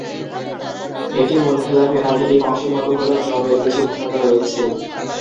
এটি মূল খেলার পেনাল্টি কিক অংশের মতো হলেও নিয়মের কিছু ভিন্নতা রয়েছে।